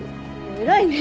偉いね。